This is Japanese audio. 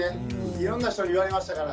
いろんな人に言われましたから。